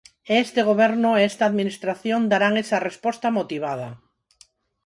E este goberno e esta administración darán esa resposta motivada.